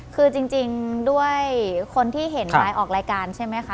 คือจริงด้วยคนที่เห็นไลน์ออกรายการใช่ไหมคะ